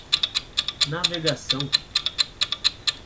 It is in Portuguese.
navegação